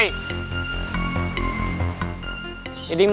tidak tentu begitu